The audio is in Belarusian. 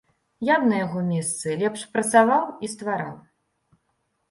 Я б на яго месцы лепш працаваў і ствараў.